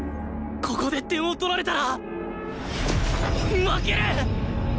ここで点を取られたら負ける！